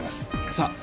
さあ。